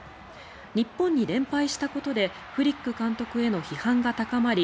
日本に連敗したことでフリック監督への批判が高まり